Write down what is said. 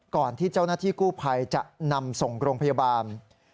ก่อนที่เจ้าหน้าที่กู้ภัยจะนำส่งโรงพยาบาล